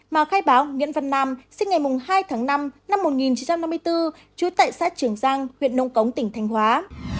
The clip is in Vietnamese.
mà khai báo nguyễn văn nam sinh ngày hai tháng năm năm một nghìn chín trăm năm mươi bốn trú tại xã trường giang huyện nông cống tỉnh thành hóa